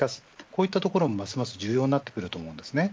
こういったところもますます重要になってくると思います。